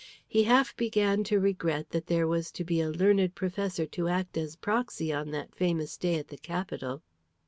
He half began to regret that there was to be a learned professor to act as proxy on that famous day at the Capitol.